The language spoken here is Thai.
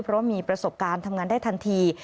เพราะว่ามีประสบการณ์ทำงานได้ทันที